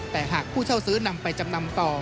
แต่หากผู้เช่าซื้อนำไปจำนำต่อ